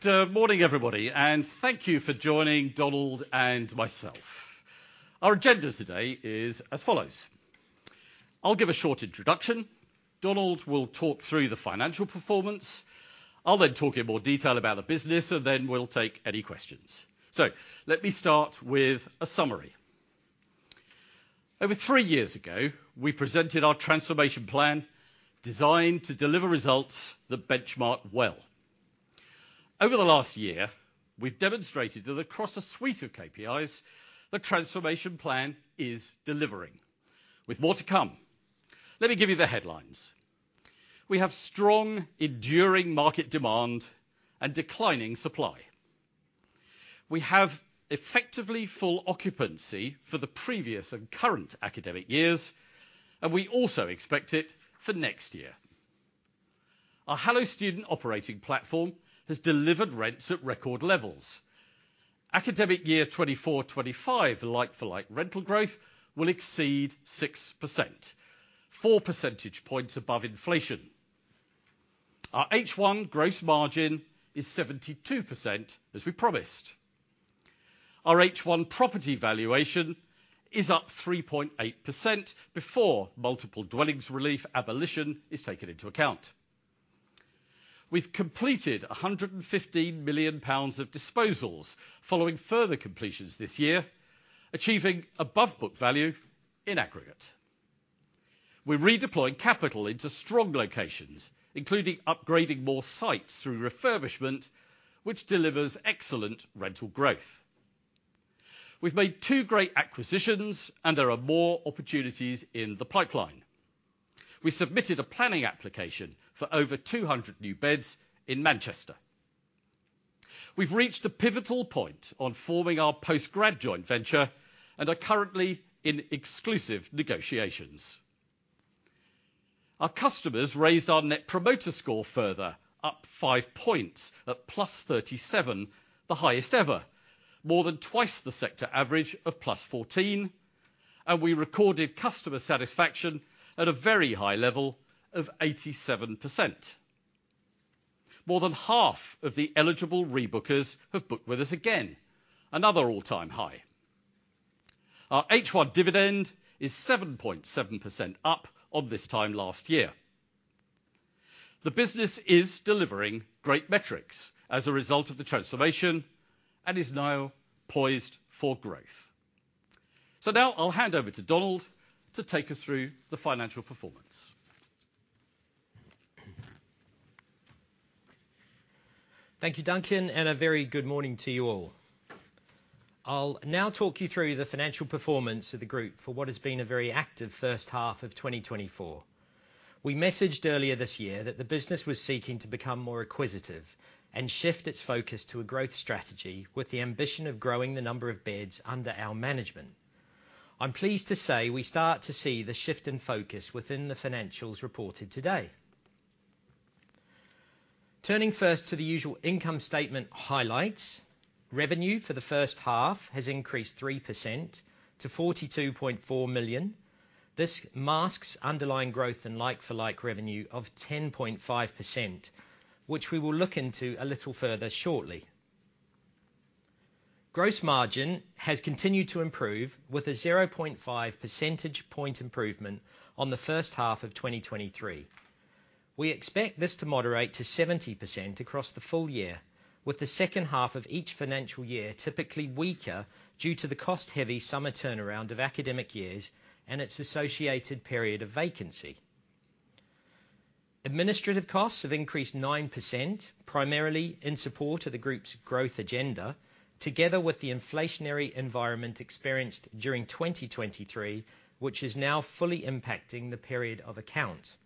Good morning, everybody, and thank you for joining Donald and myself. Our agenda today is as follows: I'll give a short introduction, Donald will talk through the financial performance, I'll then talk in more detail about the business, and then we'll take any questions. Let me start with a summary. Over three years ago, we presented our transformation plan, designed to deliver results that benchmark well. Over the last year, we've demonstrated that across a suite of KPIs, the transformation plan is delivering, with more to come. Let me give you the headlines. We have strong, enduring market demand and declining supply. We have effectively full occupancy for the previous and current academic years, and we also expect it for next year. Our Hello Student operating platform has delivered rents at record levels. Academic year 2024-25, like-for-like rental growth will exceed 6%, four percentage points above inflation. Our H1 gross margin is 72%, as we promised. Our H1 property valuation is up 3.8% before Multiple Dwellings Relief abolition is taken into account. We've completed 115 million pounds of disposals following further completions this year, achieving above book value in aggregate. We've redeployed capital into strong locations, including upgrading more sites through refurbishment, which delivers excellent rental growth. We've made two great acquisitions, and there are more opportunities in the pipeline. We submitted a planning application for over 200 new beds in Manchester. We've reached a pivotal point on forming our postgrad joint venture and are currently in exclusive negotiations. Our customers raised our Net Promoter Score further, up 5 points, at +37, the highest ever. More than twice the sector average of +14, and we recorded customer satisfaction at a very high level of 87%. More than half of the eligible rebookers have booked with us again, another all-time high. Our H1 dividend is 7.7% up of this time last year. The business is delivering great metrics as a result of the transformation and is now poised for growth. So now I'll hand over to Donald to take us through the financial performance. Thank you, Duncan, and a very good morning to you all. I'll now talk you through the financial performance of the group for what has been a very active first half of 2024. We messaged earlier this year that the business was seeking to become more acquisitive and shift its focus to a growth strategy, with the ambition of growing the number of beds under our management. I'm pleased to say we start to see the shift in focus within the financials reported today. Turning first to the usual income statement highlights, revenue for the first half has increased 3% to 42.4 million. This masks underlying growth and like-for-like revenue of 10.5%, which we will look into a little further shortly. Gross margin has continued to improve, with a 0.5 percentage point improvement on the first half of 2023. We expect this to moderate to 70% across the full year, with the second half of each financial year typically weaker due to the cost-heavy summer turnaround of academic years and its associated period of vacancy. Administrative costs have increased 9%, primarily in support of the group's growth agenda, together with the inflationary environment experienced during 2023, which is now fully impacting the period of account.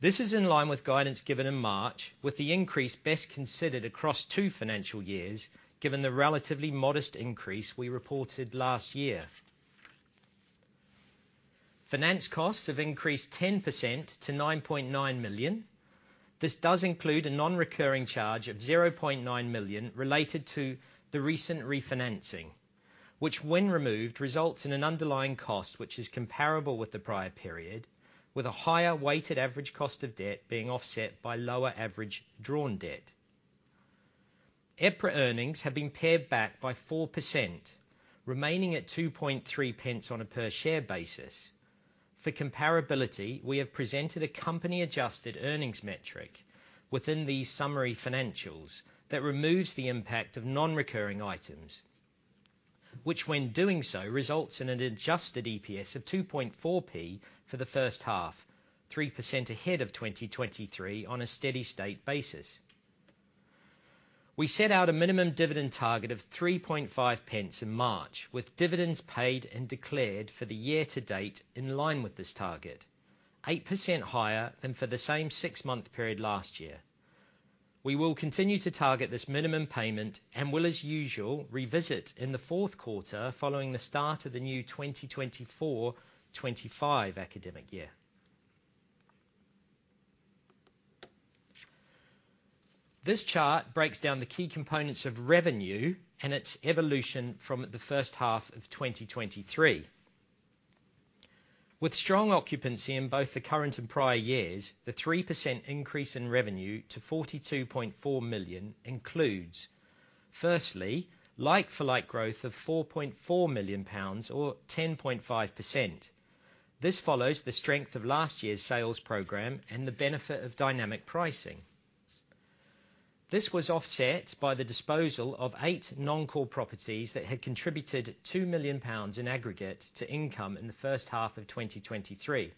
This is in line with guidance given in March, with the increase best considered across two financial years, given the relatively modest increase we reported last year. Finance costs have increased 10% to 9.9 million. This does include a non-recurring charge of 0.9 million related to the recent refinancing, which, when removed, results in an underlying cost which is comparable with the prior period, with a higher weighted average cost of debt being offset by lower average drawn debt. EPRA earnings have been pared back by 4%, remaining at 2.3 pence on a per-share basis. For comparability, we have presented a company-adjusted earnings metric within these summary financials that removes the impact of non-recurring items, which, when doing so, results in an adjusted EPS of 2.4p for the first half, 3% ahead of 2023 on a steady state basis. We set out a minimum dividend target of 3.5 pence in March, with dividends paid and declared for the year to date in line with this target, 8% higher than for the same six-month period last year. We will continue to target this minimum payment and will, as usual, revisit in the fourth quarter following the start of the new 2024-2025 academic year. This chart breaks down the key components of revenue and its evolution from the first half of 2023.... With strong occupancy in both the current and prior years, the 3% increase in revenue to 42.4 million includes: firstly, like-for-like growth of 4.4 million pounds, or 10.5%. This follows the strength of last year's sales program and the benefit of dynamic pricing. This was offset by the disposal of 8 non-core properties that had contributed 2 million pounds in aggregate to income in the first half of 2023,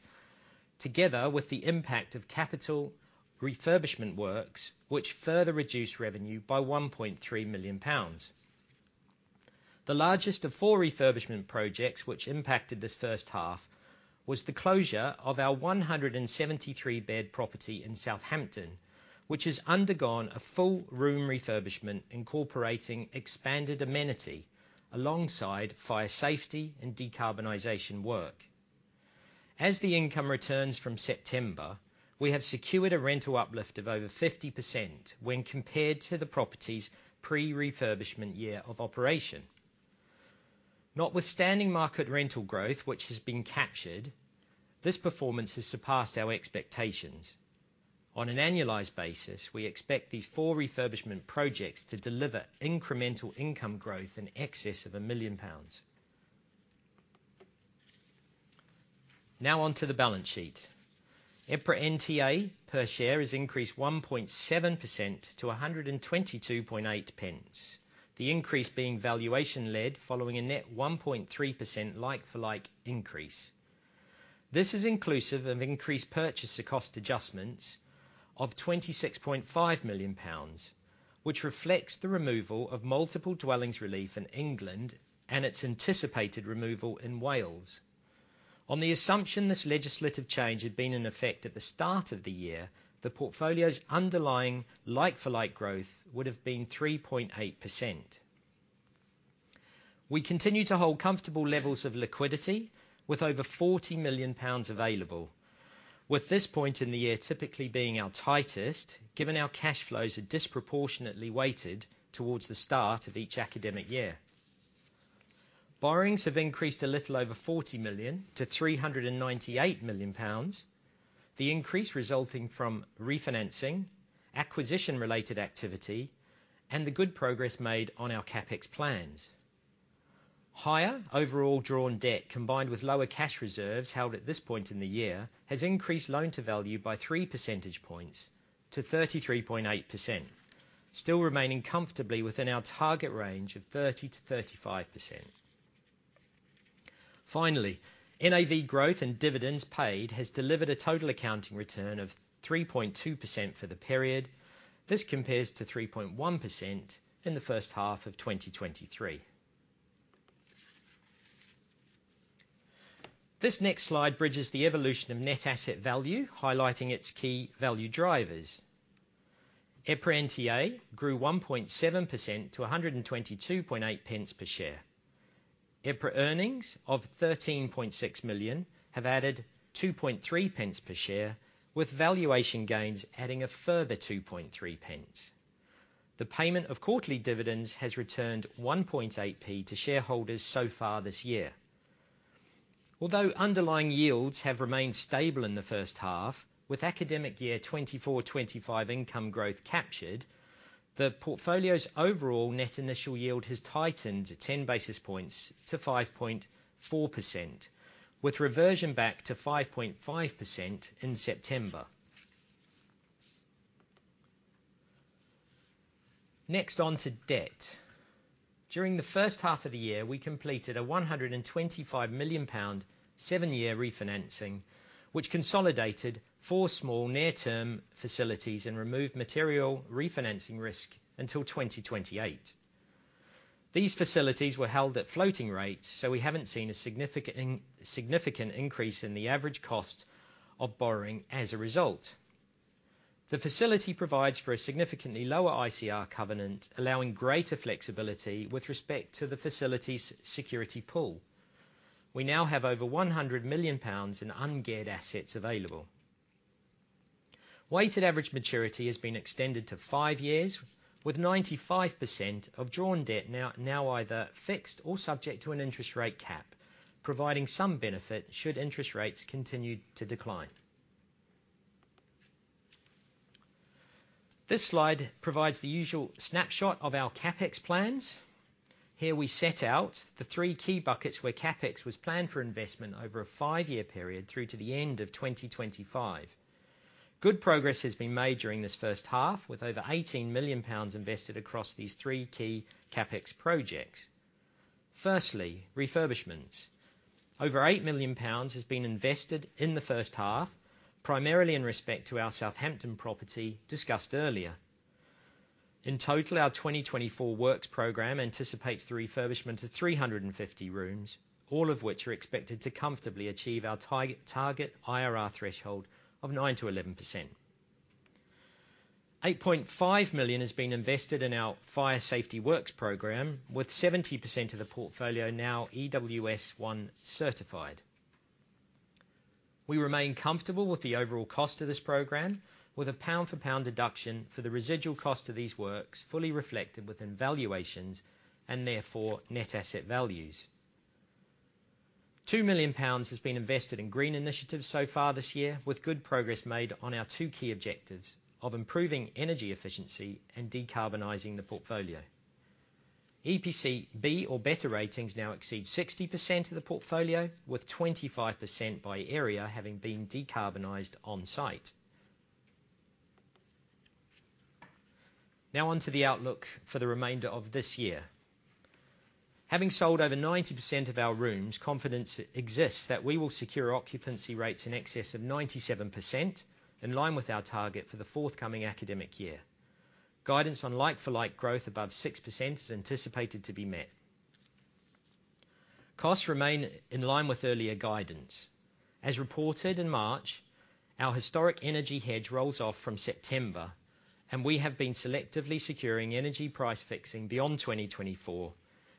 together with the impact of capital refurbishment works, which further reduced revenue by 1.3 million pounds. The largest of 4 refurbishment projects which impacted this first half was the closure of our 173-bed property in Southampton, which has undergone a full room refurbishment, incorporating expanded amenity, alongside fire, safety, and decarbonization work. As the income returns from September, we have secured a rental uplift of over 50% when compared to the property's pre-refurbishment year of operation. Notwithstanding market rental growth, which has been captured, this performance has surpassed our expectations. On an annualized basis, we expect these 4 refurbishment projects to deliver incremental income growth in excess of 1 million pounds. Now, on to the balance sheet. EPRA NTA per share has increased 1.7% to 122.8 pence, the increase being valuation-led following a net 1.3% like-for-like increase. This is inclusive of increased purchaser's cost adjustments of 26.5 million pounds, which reflects the removal of Multiple Dwellings Relief in England and its anticipated removal in Wales. On the assumption this legislative change had been in effect at the start of the year, the portfolio's underlying like-for-like growth would have been 3.8%. We continue to hold comfortable levels of liquidity with over 40 million pounds available. With this point in the year typically being our tightest, given our cash flows are disproportionately weighted towards the start of each academic year. Borrowings have increased a little over 40 million to 398 million pounds. The increase resulting from refinancing, acquisition-related activity, and the good progress made on our CapEx plans. Higher overall drawn debt, combined with lower cash reserves held at this point in the year, has increased loan to value by 3 percentage points to 33.8%, still remaining comfortably within our target range of 30%-35%. Finally, NAV growth and dividends paid has delivered a total accounting return of 3.2% for the period. This compares to 3.1% in the first half of 2023. This next slide bridges the evolution of net asset value, highlighting its key value drivers. EPRA NTA grew 1.7% to 122.8 pence per share. EPRA earnings of 13.6 million have added 2.3 pence per share, with valuation gains adding a further 2.3 pence. The payment of quarterly dividends has returned 1.8p to shareholders so far this year. Although underlying yields have remained stable in the first half, with academic year 2024/2025 income growth captured, the portfolio's overall net initial yield has tightened 10 basis points to 5.4%, with reversion back to 5.5% in September. Next, on to debt. During the first half of the year, we completed a 125 million pound, 7-year refinancing, which consolidated 4 small near-term facilities and removed material refinancing risk until 2028. These facilities were held at floating rates, so we haven't seen a significant increase in the average cost of borrowing as a result. The facility provides for a significantly lower ICR covenant, allowing greater flexibility with respect to the facility's security pool. We now have over 100 million pounds in ungeared assets available. Weighted average maturity has been extended to five years, with 95% of drawn debt now either fixed or subject to an interest rate cap, providing some benefit should interest rates continue to decline. This slide provides the usual snapshot of our CapEx plans. Here we set out the three key buckets where CapEx was planned for investment over a five-year period through to the end of 2025. Good progress has been made during this first half, with over 18 million pounds invested across these three key CapEx projects. Firstly, refurbishments. Over 8 million pounds has been invested in the first half, primarily in respect to our Southampton property, discussed earlier. In total, our 2024 works program anticipates the refurbishment of 350 rooms, all of which are expected to comfortably achieve our target IRR threshold of 9%-11%. 8.5 million has been invested in our fire safety works program, with 70% of the portfolio now EWS1 certified. We remain comfortable with the overall cost of this program, with a pound-for-pound deduction for the residual cost of these works, fully reflected within valuations, and therefore, net asset values. 2 million pounds has been invested in green initiatives so far this year, with good progress made on our two key objectives of improving energy efficiency and decarbonizing the portfolio. EPC-B or better ratings now exceed 60% of the portfolio, with 25% by area having been decarbonized on-site. Now, on to the outlook for the remainder of this year. Having sold over 90% of our rooms, confidence exists that we will secure occupancy rates in excess of 97%, in line with our target for the forthcoming academic year. Guidance on like-for-like growth above 6% is anticipated to be met. Costs remain in line with earlier guidance. As reported in March, our historic energy hedge rolls off from September, and we have been selectively securing energy price fixing beyond 2024,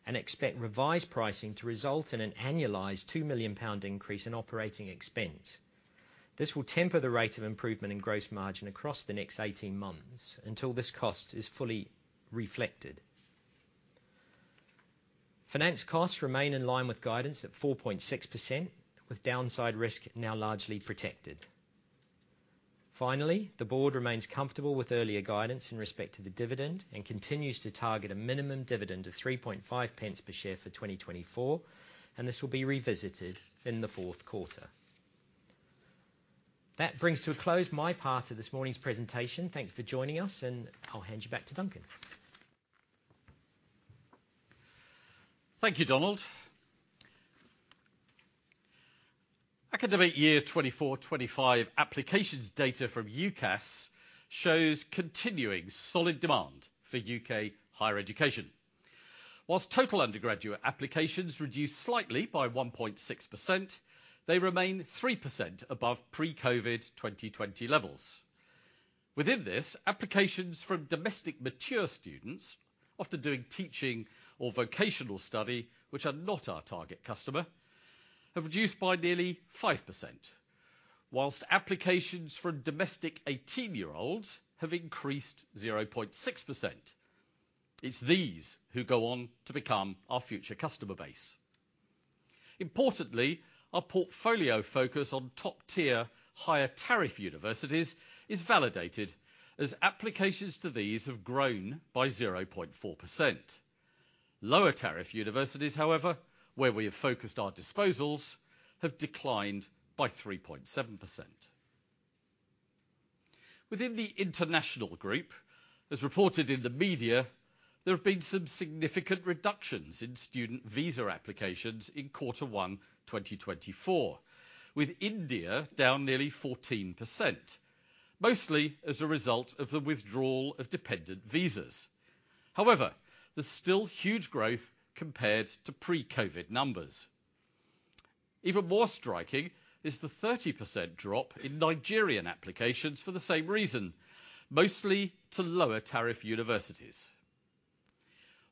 and expect revised pricing to result in an annualized 2 million pound increase in operating expense. This will temper the rate of improvement in gross margin across the next 18 months, until this cost is fully reflected. Finance costs remain in line with guidance at 4.6%, with downside risk now largely protected. Finally, the board remains comfortable with earlier guidance in respect to the dividend and continues to target a minimum dividend of 3.5 pence per share for 2024, and this will be revisited in the fourth quarter. That brings to a close my part of this morning's presentation. Thank you for joining us, and I'll hand you back to Duncan. Thank you, Donald. Academic year 2025 applications data from UCAS shows continuing solid demand for U.K. higher education. Whilst total undergraduate applications reduced slightly by 1.6%, they remain 3% above pre-COVID 2020 levels. Within this, applications from domestic mature students, often doing teaching or vocational study, which are not our target customer, have reduced by nearly 5%, whilst applications from domestic 18-year-olds have increased 0.6%. It's these who go on to become our future customer base. Importantly, our portfolio focus on top-tier higher tariff universities is validated as applications to these have grown by 0.4%. Lower tariff universities, however, where we have focused our disposals, have declined by 3.7%. Within the international group, as reported in the media, there have been some significant reductions in student visa applications in quarter 1 2024, with India down nearly 14%, mostly as a result of the withdrawal of dependent visas. However, there's still huge growth compared to pre-COVID numbers. Even more striking is the 30% drop in Nigerian applications for the same reason, mostly to lower tariff universities.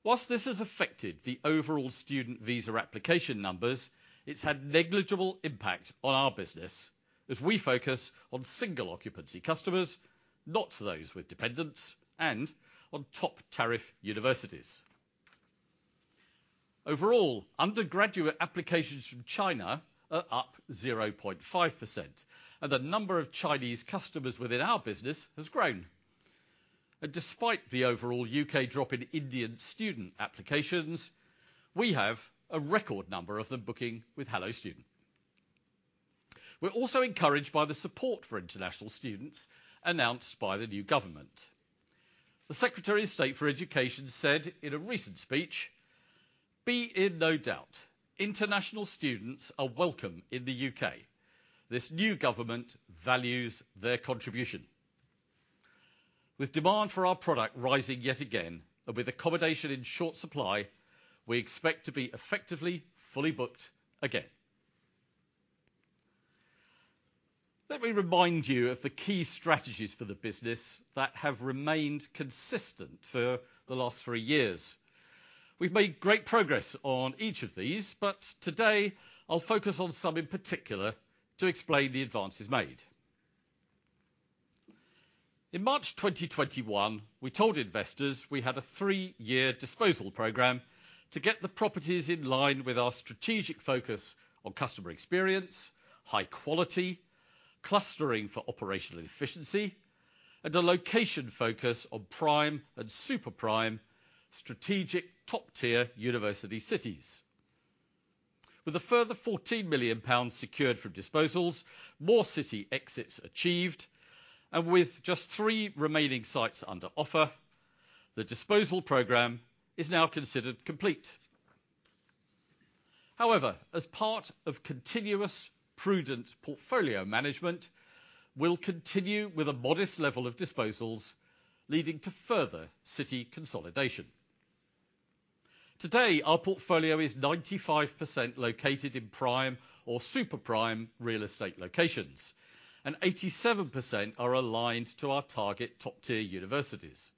While this has affected the overall student visa application numbers, it's had negligible impact on our business, as we focus on single occupancy customers, not those with dependents, and on top tariff universities. Overall, undergraduate applications from China are up 0.5%, and the number of Chinese customers within our business has grown. Despite the overall U.K. drop in Indian student applications, we have a record number of them booking with Hello Student. We're also encouraged by the support for international students announced by the new government. The Secretary of State for Education said in a recent speech, "Be in no doubt, international students are welcome in the U.K. This new government values their contribution." With demand for our product rising yet again, and with accommodation in short supply, we expect to be effectively fully booked again. Let me remind you of the key strategies for the business that have remained consistent for the last three years. We've made great progress on each of these, but today I'll focus on some in particular to explain the advances made. In March 2021, we told investors we had a three-year disposal program to get the properties in line with our strategic focus on customer experience, high quality, clustering for operational efficiency, and a location focus on prime and super prime strategic top-tier university cities. With a further 14 million pounds secured from disposals, more city exits achieved, and with just 3 remaining sites under offer, the disposal program is now considered complete. However, as part of continuous prudent portfolio management, we'll continue with a modest level of disposals, leading to further city consolidation. Today, our portfolio is 95% located in prime or super prime real estate locations, and 87% are aligned to our target top-tier universities....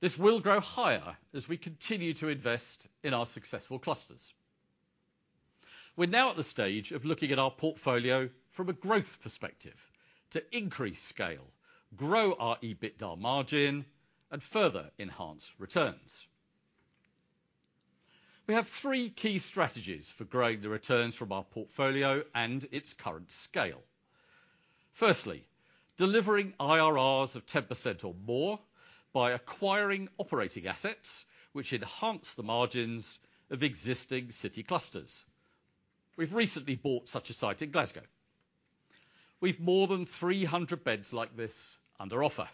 This will grow higher as we continue to invest in our successful clusters. We're now at the stage of looking at our portfolio from a growth perspective to increase scale, grow our EBITDA margin, and further enhance returns. We have three key strategies for growing the returns from our portfolio and its current scale. Firstly, delivering IRRs of 10% or more by acquiring operating assets, which enhance the margins of existing city clusters. We've recently bought such a site in Glasgow. We've more than 300 beds like this under offer.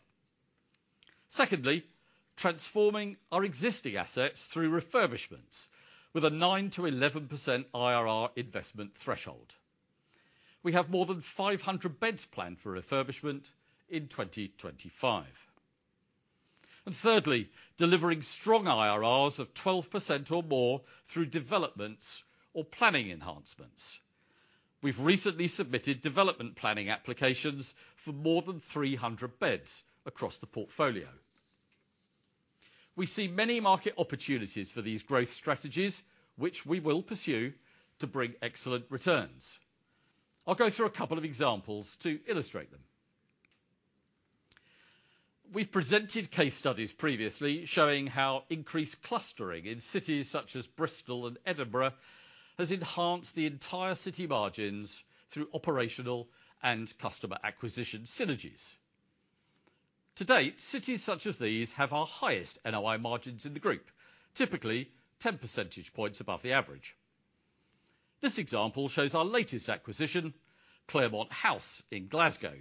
Secondly, transforming our existing assets through refurbishments with a 9%-11% IRR investment threshold. We have more than 500 beds planned for refurbishment in 2025. And thirdly, delivering strong IRRs of 12% or more through developments or planning enhancements. We've recently submitted development planning applications for more than 300 beds across the portfolio. We see many market opportunities for these growth strategies, which we will pursue to bring excellent returns. I'll go through a couple of examples to illustrate them. We've presented case studies previously showing how increased clustering in cities such as Bristol and Edinburgh has enhanced the entire city margins through operational and customer acquisition synergies. To date, cities such as these have our highest NOI margins in the group, typically 10 percentage points above the average. This example shows our latest acquisition, Claremont House in Glasgow,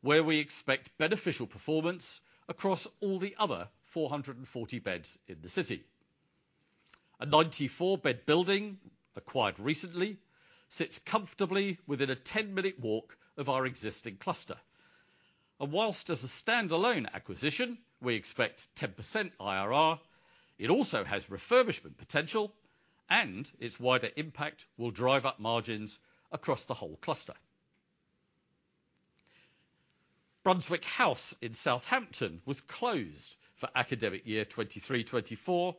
where we expect beneficial performance across all the other 440 beds in the city. A 94-bed building, acquired recently, sits comfortably within a 10-minute walk of our existing cluster. And whilst as a standalone acquisition, we expect 10% IRR, it also has refurbishment potential, and its wider impact will drive up margins across the whole cluster. Brunswick House in Southampton was closed for academic year 2023-2024,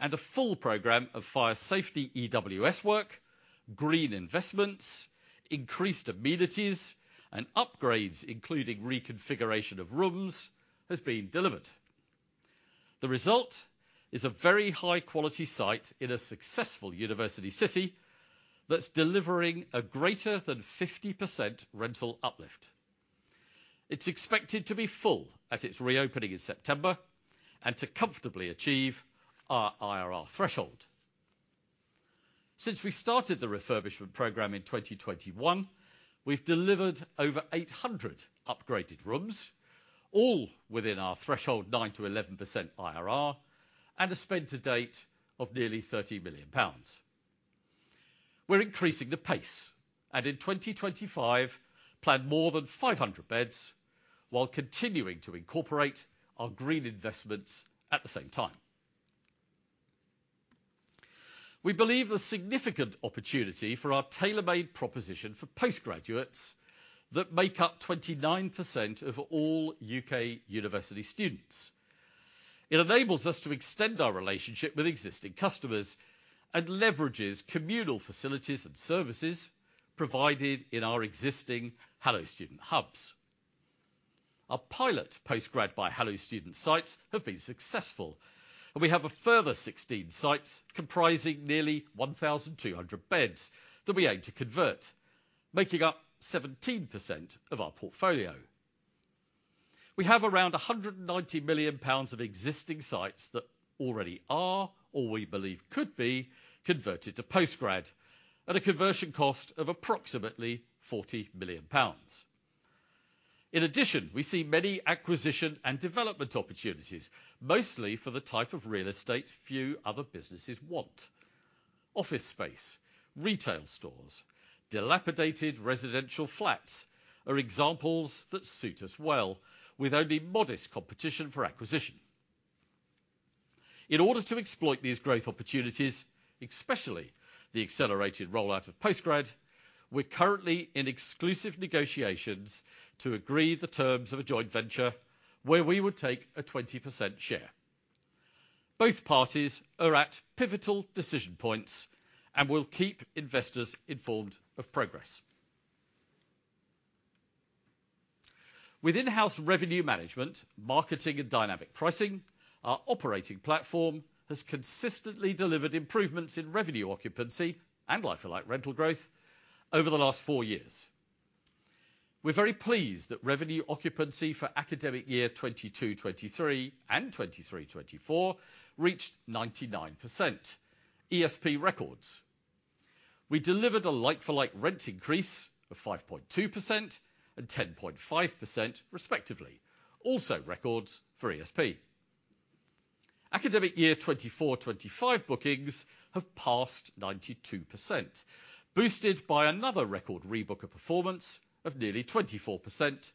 and a full program of fire safety EWS work, green investments, increased amenities, and upgrades, including reconfiguration of rooms, has been delivered. The result is a very high-quality site in a successful university city that's delivering a greater than 50% rental uplift. It's expected to be full at its reopening in September and to comfortably achieve our IRR threshold. Since we started the refurbishment program in 2021, we've delivered over 800 upgraded rooms, all within our threshold, 9%-11% IRR, and a spend to date of nearly 30 million pounds. We're increasing the pace, and in 2025, plan more than 500 beds, while continuing to incorporate our green investments at the same time. We believe the significant opportunity for our tailor-made proposition for postgraduates that make up 29% of all U.K. university students. It enables us to extend our relationship with existing customers and leverages communal facilities and services provided in our existing Hello Student Hubs. Our pilot Postgrad by Hello Student sites have been successful, and we have a further 16 sites comprising nearly 1,200 beds that we aim to convert, making up 17% of our portfolio. We have around 190 million pounds of existing sites that already are, or we believe could be, converted to postgrad at a conversion cost of approximately 40 million pounds. In addition, we see many acquisition and development opportunities, mostly for the type of real estate few other businesses want. Office space, retail stores, dilapidated residential flats are examples that suit us well, with only modest competition for acquisition. In order to exploit these growth opportunities, especially the accelerated rollout of postgrad, we're currently in exclusive negotiations to agree the terms of a joint venture where we would take a 20% share. Both parties are at pivotal decision points and will keep investors informed of progress. With in-house revenue management, marketing, and dynamic pricing, our operating platform has consistently delivered improvements in revenue occupancy and like-for-like rental growth over the last 4 years. We're very pleased that revenue occupancy for academic year 2022-2023 and 2023-2024 reached 99%, ESP records. We delivered a like-for-like rent increase of 5.2% and 10.5% respectively, also records for ESP. Academic year 2024-2025 bookings have passed 92%, boosted by another record rebooker performance of nearly 24%,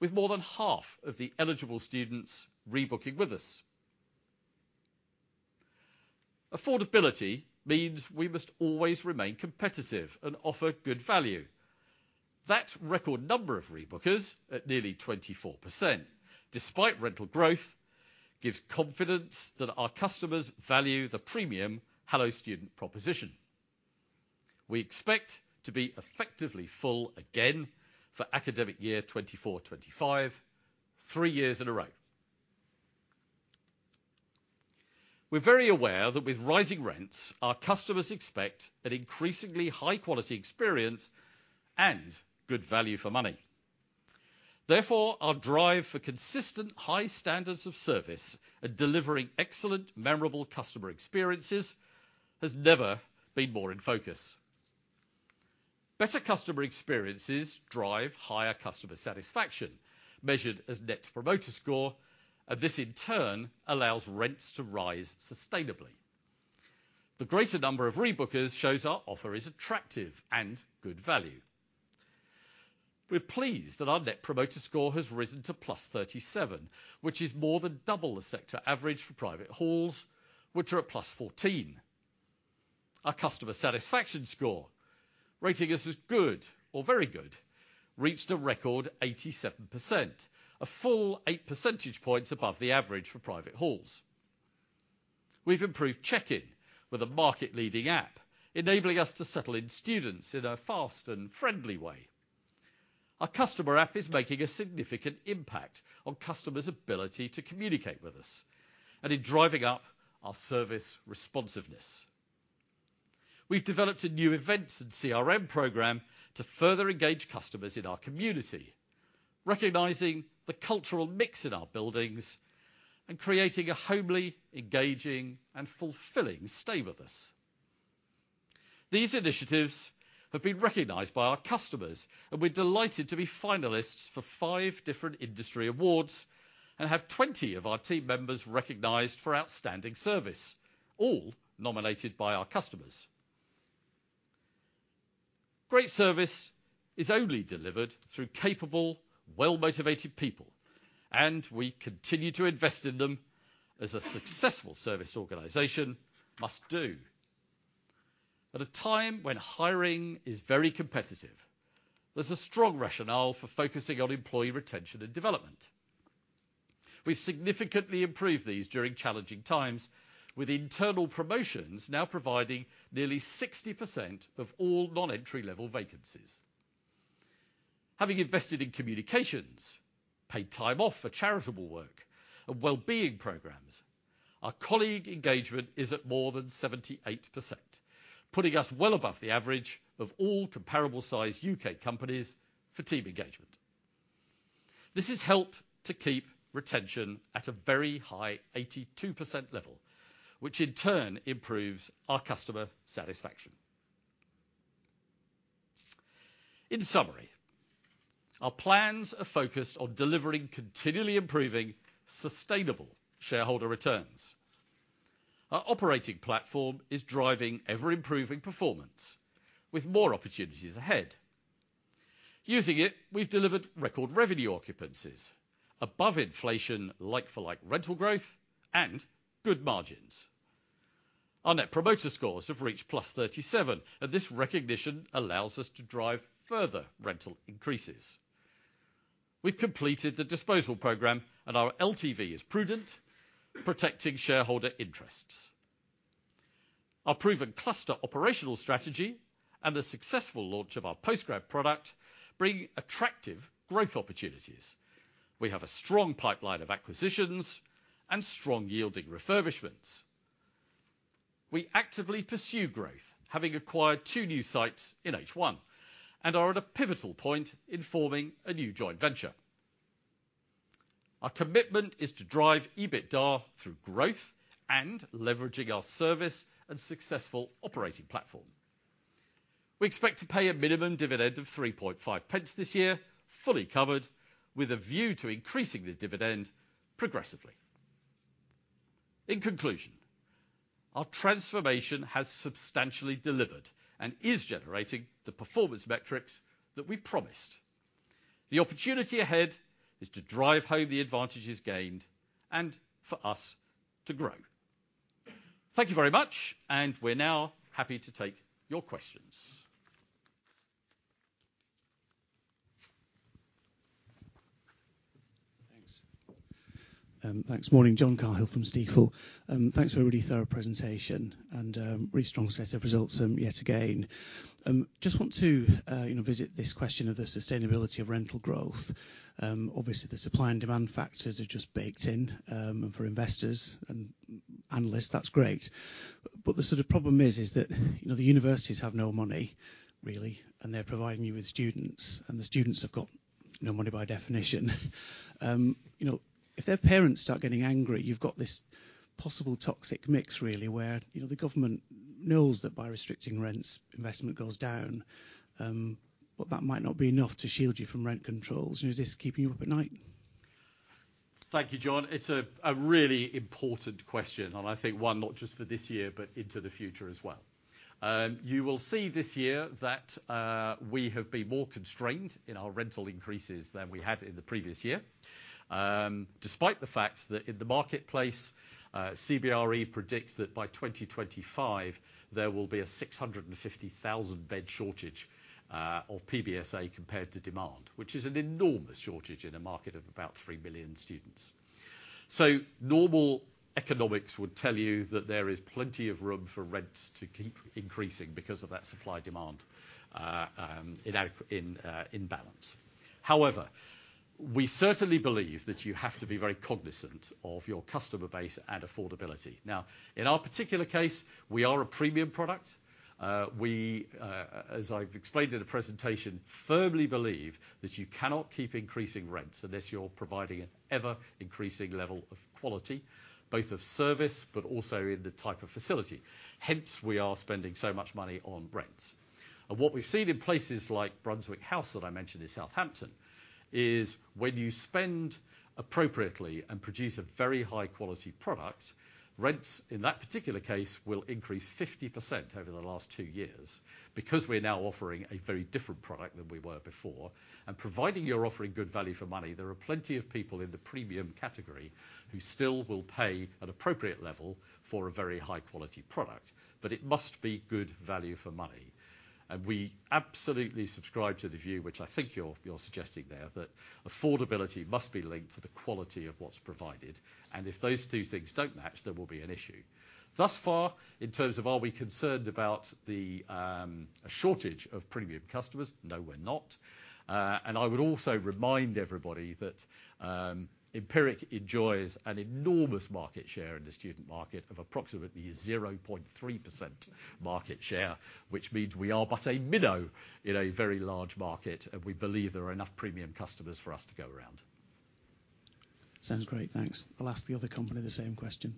with more than half of the eligible students rebooking with us. Affordability means we must always remain competitive and offer good value. That record number of rebookers, at nearly 24%, despite rental growth, gives confidence that our customers value the premium Hello Student proposition. We expect to be effectively full again for academic year 2024-25, 3 years in a row. We're very aware that with rising rents, our customers expect an increasingly high quality experience and good value for money. Therefore, our drive for consistent high standards of service and delivering excellent, memorable customer experiences has never been more in focus. Better customer experiences drive higher customer satisfaction, measured as Net Promoter Score, and this in turn allows rents to rise sustainably. The greater number of rebookers shows our offer is attractive and good value. We're pleased that our Net Promoter Score has risen to +37, which is more than double the sector average for private halls, which are at +14. Our customer satisfaction score, rating us as good or very good, reached a record 87%, a full 8 percentage points above the average for private halls. We've improved check-in with a market-leading app, enabling us to settle in students in a fast and friendly way. Our customer app is making a significant impact on customers' ability to communicate with us and in driving up our service responsiveness. We've developed a new events and CRM program to further engage customers in our community, recognizing the cultural mix in our buildings and creating a homely, engaging, and fulfilling stay with us. These initiatives have been recognized by our customers, and we're delighted to be finalists for 5 different industry awards and have 20 of our team members recognized for outstanding service, all nominated by our customers. Great service is only delivered through capable, well-motivated people, and we continue to invest in them as a successful service organization must do. At a time when hiring is very competitive, there's a strong rationale for focusing on employee retention and development. We significantly improved these during challenging times, with internal promotions now providing nearly 60% of all non-entry-level vacancies. Having invested in communications, paid time off for charitable work and wellbeing programs, our colleague engagement is at more than 78%, putting us well above the average of all comparable size U.K. companies for team engagement. This has helped to keep retention at a very high 82% level, which in turn improves our customer satisfaction. In summary, our plans are focused on delivering continually improving, sustainable shareholder returns. Our operating platform is driving ever-improving performance with more opportunities ahead. Using it, we've delivered record revenue occupancies above inflation, like-for-like rental growth and good margins. Our Net Promoter Scores have reached +37, and this recognition allows us to drive further rental increases. We've completed the disposal program, and our LTV is prudent, protecting shareholder interests. Our proven cluster operational strategy and the successful launch of our postgrad product bring attractive growth opportunities. We have a strong pipeline of acquisitions and strong yielding refurbishments. We actively pursue growth, having acquired two new sites in H1, and are at a pivotal point in forming a new joint venture. Our commitment is to drive EBITDA through growth and leveraging our service and successful operating platform. We expect to pay a minimum dividend of 0.035 this year, fully covered, with a view to increasing the dividend progressively. In conclusion, our transformation has substantially delivered and is generating the performance metrics that we promised. The opportunity ahead is to drive home the advantages gained and for us to grow. Thank you very much, and we're now happy to take your questions. Thanks. Thanks. Morning, John Cahill from Stifel. Thanks for a really thorough presentation and, really strong set of results, yet again. Just want to, you know, visit this question of the sustainability of rental growth. Obviously, the supply and demand factors are just baked in, and for investors and analysts, that's great. But the sort of problem is that, you know, the universities have no money, really, and they're providing you with students, and the students have got no money by definition. You know, if their parents start getting angry, you've got this possible toxic mix really where, you know, the government knows that by restricting rents, investment goes down. But that might not be enough to shield you from rent controls. And is this keeping you up at night? Thank you, John. It's a really important question, and I think one not just for this year, but into the future as well. You will see this year that we have been more constrained in our rental increases than we had in the previous year. Despite the fact that in the marketplace, CBRE predicts that by 2025, there will be a 650,000-bed shortage of PBSA compared to demand, which is an enormous shortage in a market of about 3 million students. So normal economics would tell you that there is plenty of room for rents to keep increasing because of that supply/demand in imbalance. However, we certainly believe that you have to be very cognizant of your customer base and affordability. Now, in our particular case, we are a premium product. We, as I've explained in the presentation, firmly believe that you cannot keep increasing rents unless you're providing an ever-increasing level of quality, both of service, but also in the type of facility. Hence, we are spending so much money on rents. What we've seen in places like Brunswick House, that I mentioned in Southampton, is when you spend appropriately and produce a very high quality product, rents, in that particular case, will increase 50% over the last two years. Because we're now offering a very different product than we were before, and providing you're offering good value for money, there are plenty of people in the premium category who still will pay an appropriate level for a very high-quality product, but it must be good value for money. We absolutely subscribe to the view, which I think you're suggesting there, that affordability must be linked to the quality of what's provided, and if those two things don't match, there will be an issue. Thus far, in terms of are we concerned about the a shortage of premium customers? No, we're not. I would also remind everybody that Empiric enjoys an enormous market share in the student market of approximately 0.3% market share, which means we are but a minnow in a very large market, and we believe there are enough premium customers for us to go around. Sounds great, thanks. I'll ask the other company the same question.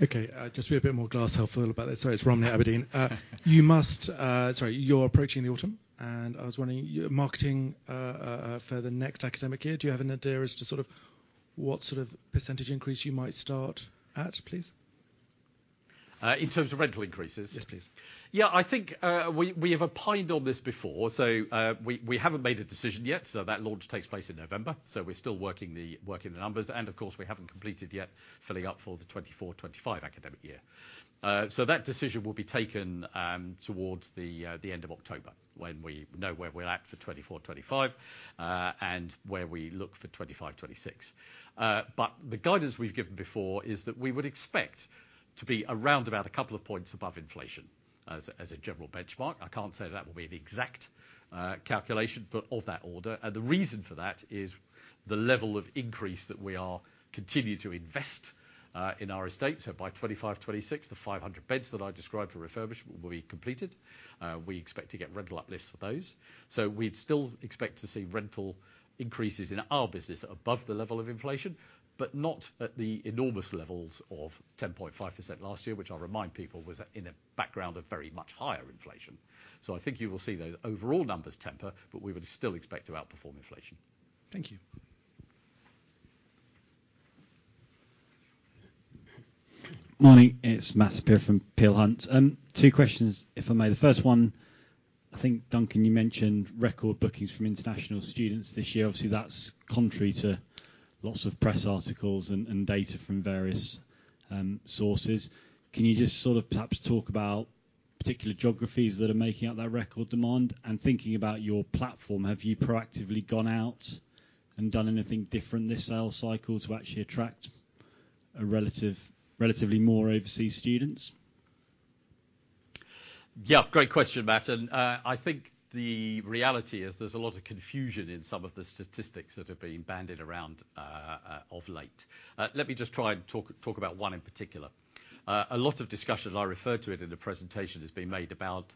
Okay, just to be a bit more glass half full about this. Sorry, it's Robbie, Aberdeen. Sorry, you're approaching the autumn, and I was wondering, your marketing for the next academic year, do you have an idea as to sort of what sort of percentage increase you might start at, please? In terms of rental increases? Yes, please. Yeah, I think, we have opined on this before. So, we haven't made a decision yet, so that launch takes place in November, so we're still working the numbers. And of course, we haven't completed yet filling up for the 2024-25 academic year. So that decision will be taken towards the end of October, when we know where we're at for 2024-25, and where we look for 2025-26. But the guidance we've given before is that we would expect to be around about a couple of points above inflation, as a general benchmark. I can't say that will be the exact calculation, but of that order. And the reason for that is the level of increase that we are continue to invest in our estate. So by 2025, 2026, the 500 beds that I described for refurbishment will be completed. We expect to get rental uplifts for those. So we'd still expect to see rental increases in our business above the level of inflation, but not at the enormous levels of 10.5% last year, which I'll remind people was, in a background of very much higher inflation. So I think you will see those overall numbers temper, but we would still expect to outperform inflation. Thank you. Morning, it's Matt Saperia from Peel Hunt. Two questions, if I may. The first one, I think, Duncan, you mentioned record bookings from international students this year. Obviously, that's contrary to lots of press articles and data from various sources. Can you just sort of perhaps talk about particular geographies that are making up that record demand? And thinking about your platform, have you proactively gone out and done anything different this sales cycle to actually attract relatively more overseas students? Yeah, great question, Matt, and I think the reality is there's a lot of confusion in some of the statistics that have been bandied around of late. Let me just try and talk about one in particular. A lot of discussion, I referred to it in the presentation, has been made about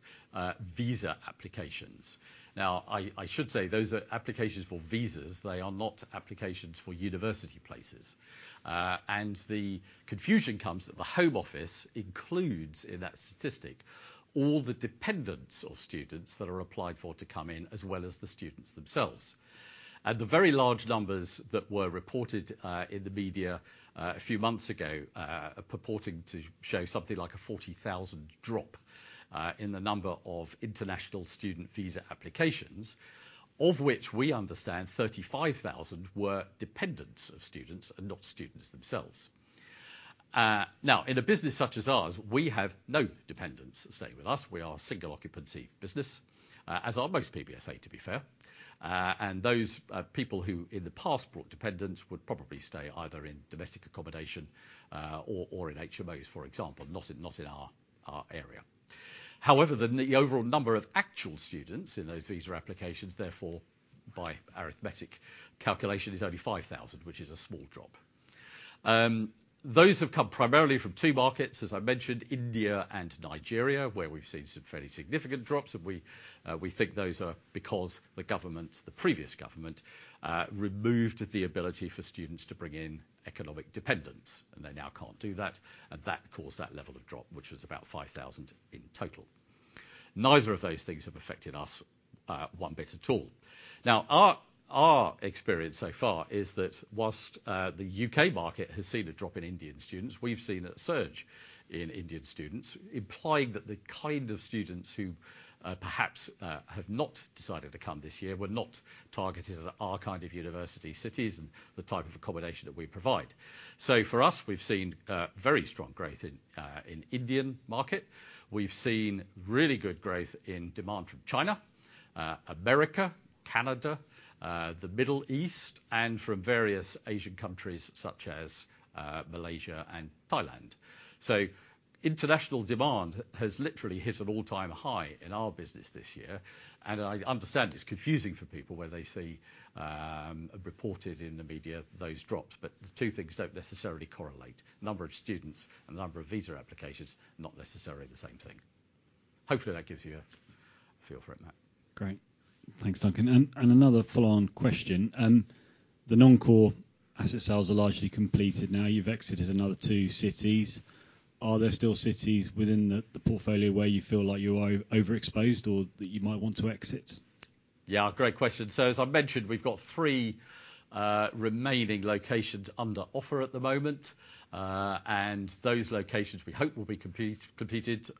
visa applications. Now, I should say those are applications for visas, they are not applications for university places. And the confusion comes that the Home Office includes, in that statistic, all the dependents of students that are applied for to come in, as well as the students themselves. The very large numbers that were reported in the media a few months ago purporting to show something like a 40,000 drop in the number of international student visa applications, of which we understand 35,000 were dependents of students and not students themselves. Now, in a business such as ours, we have no dependents staying with us. We are a single occupancy business, as are most PBSA, to be fair. And those people who, in the past, brought dependents would probably stay either in domestic accommodation or in HMOs, for example, not in our area. However, the overall number of actual students in those visa applications, therefore, by arithmetic calculation, is only 5,000, which is a small drop. Those have come primarily from two markets, as I mentioned, India and Nigeria, where we've seen some fairly significant drops, and we think those are because the government, the previous government, removed the ability for students to bring in economic dependents, and they now can't do that, and that caused that level of drop, which was about 5,000 in total. Neither of those things have affected us one bit at all. Now, our experience so far is that whilst the U.K. market has seen a drop in Indian students, we've seen a surge in Indian students, implying that the kind of students who perhaps have not decided to come this year were not targeted at our kind of university cities and the type of accommodation that we provide. So for us, we've seen very strong growth in the Indian market. We've seen really good growth in demand from China, America, Canada, the Middle East, and from various Asian countries such as Malaysia and Thailand. So international demand has literally hit an all-time high in our business this year, and I understand it's confusing for people where they see reported in the media, those drops, but the two things don't necessarily correlate. Number of students and number of visa applications, not necessarily the same thing. Hopefully, that gives you a feel for it, Matt. Great. Thanks, Duncan. And another full-on question. The non-core asset sales are largely completed now. You've exited another two cities. Are there still cities within the portfolio where you feel like you are overexposed, or that you might want to exit? Yeah, great question. So as I've mentioned, we've got three remaining locations under offer at the moment, and those locations, we hope, will be completed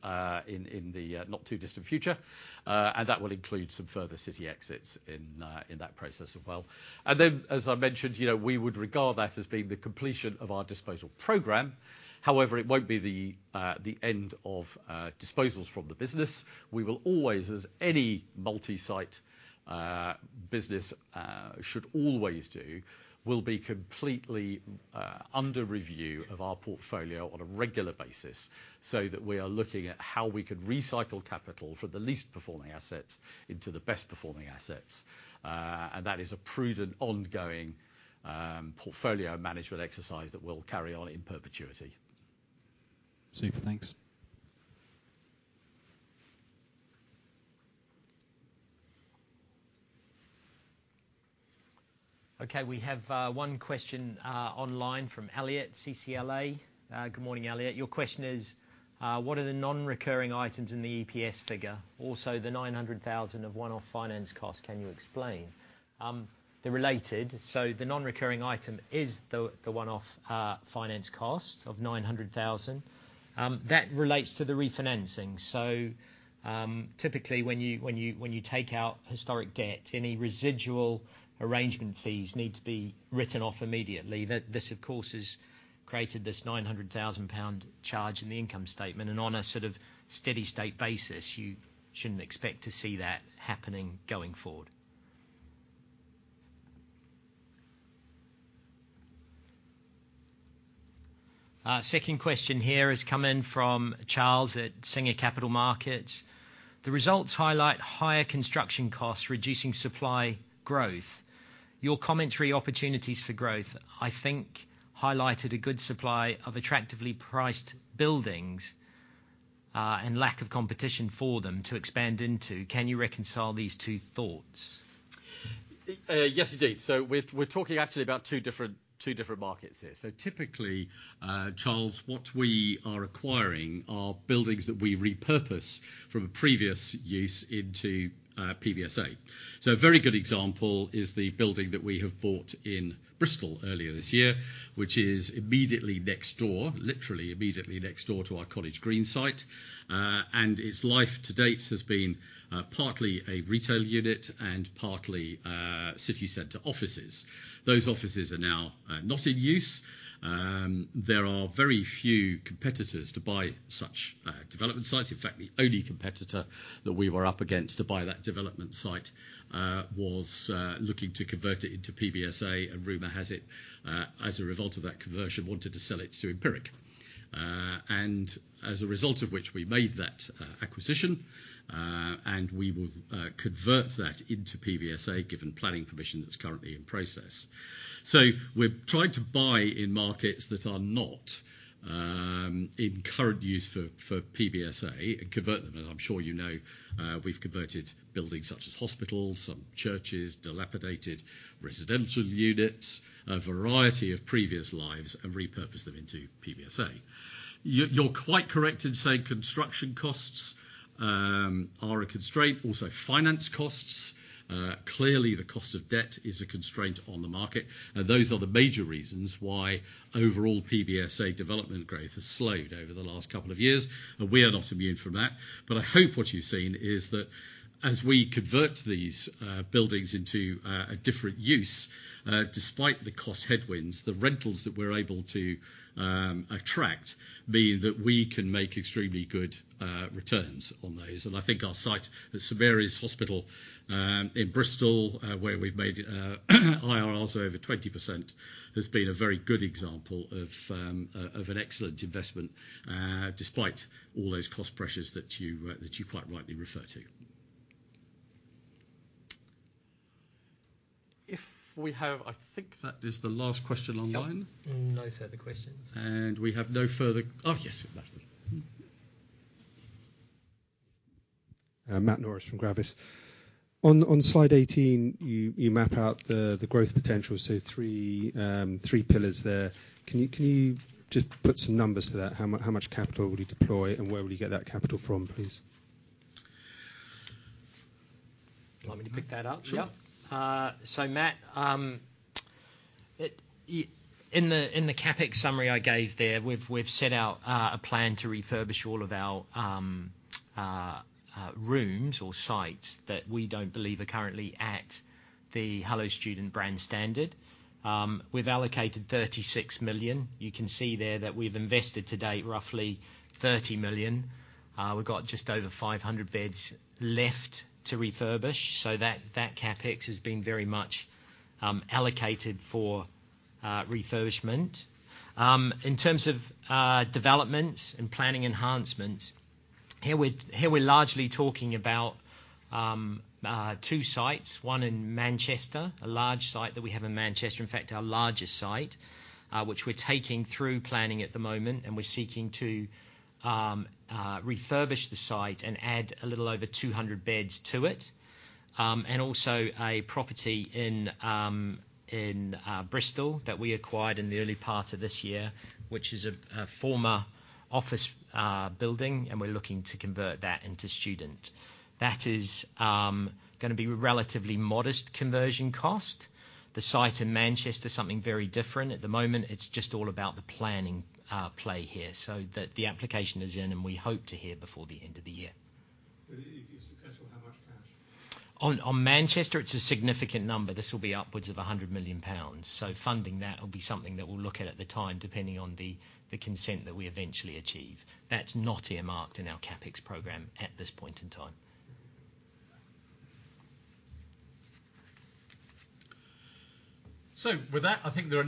in the not-too-distant future. And that will include some further city exits in that process as well. And then, as I mentioned, you know, we would regard that as being the completion of our disposal program. However, it won't be the end of disposals from the business. We will always, as any multi-site business should always do, will be completely under review of our portfolio on a regular basis, so that we are looking at how we can recycle capital from the least performing assets into the best performing assets. And that is a prudent, ongoing portfolio management exercise that we'll carry on in perpetuity. Super. Thanks. Okay, we have one question online from Elliot, CCLA. Good morning, Elliot. Your question is, "What are the non-recurring items in the EPS figure? Also, the 900,000 of one-off finance costs, can you explain?" They're related, so the non-recurring item is the one-off finance cost of 900,000. That relates to the refinancing. So, typically, when you take out historic debt, any residual arrangement fees need to be written off immediately. That this, of course, has created this 900,000 pound charge in the income statement, and on a sort of steady-state basis, you shouldn't expect to see that happening going forward. Second question here has come in from Charles at Singer Capital Markets: "The results highlight higher construction costs, reducing supply growth. Your commentary, opportunities for growth, I think, highlighted a good supply of attractively priced buildings, and lack of competition for them to expand into. Can you reconcile these two thoughts? Yes, indeed. So we're talking actually about two different markets here. So typically, Charles, what we are acquiring are buildings that we repurpose from a previous use into PBSA. So a very good example is the building that we have bought in Bristol earlier this year, which is immediately next door, literally immediately next door to our College Green site, and its life to date has been partly a retail unit and partly city center offices. Those offices are now not in use. There are very few competitors to buy such development sites. In fact, the only competitor that we were up against to buy that development site was looking to convert it into PBSA, and rumor has it, as a result of that conversion, wanted to sell it to Empiric. And as a result of which, we made that acquisition, and we will convert that into PBSA, given planning permission that's currently in process. So we're trying to buy in markets that are not in current use for PBSA and convert them, and I'm sure you know, we've converted buildings such as hospitals, some churches, dilapidated residential units, a variety of previous lives, and repurposed them into PBSA. You're quite correct in saying construction costs are a constraint, also finance costs. Clearly, the cost of debt is a constraint on the market, and those are the major reasons why overall PBSA development growth has slowed over the last couple of years, and we are not immune from that. But I hope what you've seen is that as we convert these buildings into a different use, despite the cost headwinds, the rentals that we're able to attract mean that we can make extremely good returns on those. And I think our site at St. Mary's Hospital in Bristol, where we've made IRRs over 20%, has been a very good example of an excellent investment, despite all those cost pressures that you quite rightly refer to. If we have. I think that is the last question online. Yep. No further questions. And we have no further... Oh, yes, Matthew. Matt Norris from Gravis. On Slide 18, you map out the growth potential, so three pillars there. Can you just put some numbers to that? How much capital would you deploy, and where would you get that capital from, please? You want me to pick that up? Sure. Yeah. So Matt, in the CapEx summary I gave there, we've set out a plan to refurbish all of our rooms or sites that we don't believe are currently at the Hello Student brand standard. We've allocated 36 million. You can see there that we've invested to date roughly 30 million. We've got just over 500 beds left to refurbish, so that CapEx has been very much allocated for refurbishment. In terms of development and planning enhancements, here we're largely talking about two sites, one in Manchester, a large site that we have in Manchester, in fact, our largest site, which we're taking through planning at the moment, and we're seeking to refurbish the site and add a little over 200 beds to it. And also a property in Bristol that we acquired in the early part of this year, which is a former office building, and we're looking to convert that into student. That is gonna be relatively modest conversion cost. The site in Manchester is something very different. At the moment, it's just all about the planning play here, so the application is in, and we hope to hear before the end of the year. If you're successful, how much cash? On Manchester, it's a significant number. This will be upwards of 100 million pounds, so funding that will be something that we'll look at at the time, depending on the consent that we eventually achieve. That's not earmarked in our CapEx program at this point in time. With that, I think there are no-